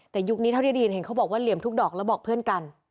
แต่ยุคนี้เท่าที่ได้ยินเห็นเขาบอกว่าเหลี่ยมทุกดอกแล้วบอกเพื่อนกัน